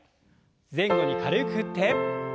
前後に軽く振って。